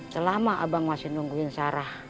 selama abang masih nungguin sarah